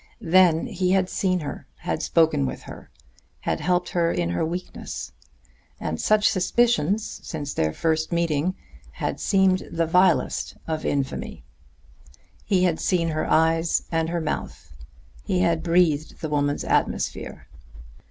Then he had seen her, had spoken with her, had helped her in her weakness; and such suspicions, since their first meeting, had seemed the vilest of infamy. He had seen her eyes and her mouth; he had breathed the woman's atmosphere.